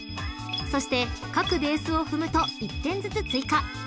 ［そして各ベースを踏むと１点ずつ追加］